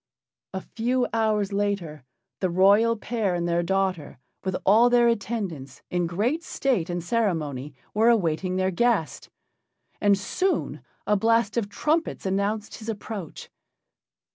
A few hours later the royal pair and their daughter, with all their attendants, in great state and ceremony, were awaiting their guest. And soon a blast of trumpets announced his approach.